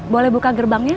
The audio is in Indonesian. boleh buka gerbangnya